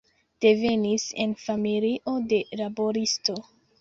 Devenis en familio de laboristo.